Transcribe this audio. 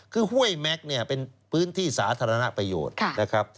คือห้วยแม็กซ์เป็นพื้นที่สาธารณะประโยชน์